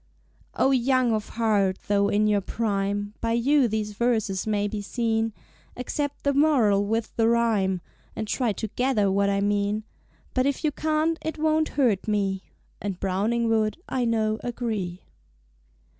O Young of Heart, tho' in your prime, By you these Verses may be seen! Accept the Moral with the Rhyme, And try to gather what I mean. But, if you can't, it won't hurt me! (And Browning would, I know, agree.)